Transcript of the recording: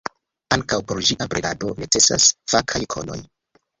Ankaŭ por ĝia bredado necesas fakaj konoj.